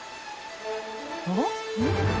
おっ？